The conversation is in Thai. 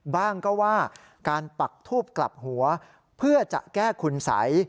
บ้างก็ว่าการปักทูบกลับหัวเพื่อจะแก้คุณสัย